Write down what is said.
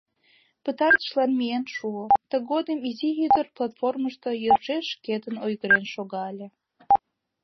Пытартышлан миен шуо, тыгодым изи ӱдыр платформышто йӧршеш шкетын ойгырен шога ыле.